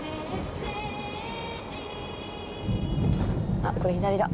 あっこれ左だ。